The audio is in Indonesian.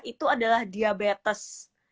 itu adalah diabetes